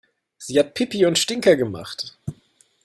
Sie hat Pipi und Stinker gemacht.